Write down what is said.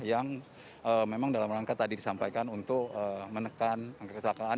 yang memang dalam rangka tadi disampaikan untuk menekan kesalahan